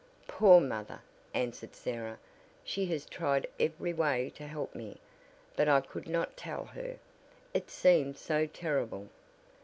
"Poor mother!" answered Sarah. "She has tried every way to help me, but I could not tell her. It seemed so terrible!"